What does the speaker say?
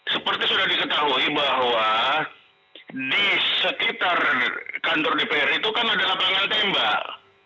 seperti sudah diketahui bahwa di sekitar kantor dpr itu kan ada lapangan tembak